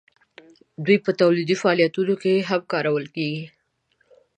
دوی په تولیدي فعالیتونو کې هم کارول کیږي.